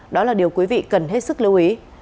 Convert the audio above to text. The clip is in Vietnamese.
đó là điều quý vị cần hết sức lưu ý